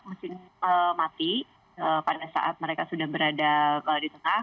mesin mati pada saat mereka sudah berada di tengah